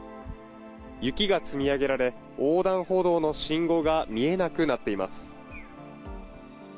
雪が積み上げられ、横断歩道の信号が見えなくなっています。